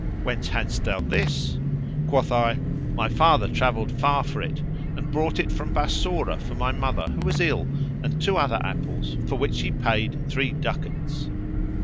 'Whence hadst thou this?' Quoth I, 'My father travelled far for it, and brought it from Bassorah for my mother who was ill and two other apples for which he paid three ducats.'